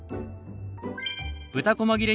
豚こま切れ